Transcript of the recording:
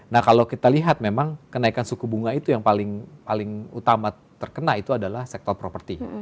nah kalau kita lihat memang kenaikan suku bunga itu yang paling utama terkena itu adalah sektor properti